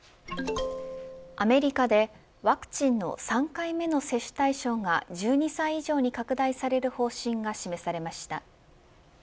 アメリカでワクチンの３回目の接種対象が１２歳以上に拡大される方針が示されました。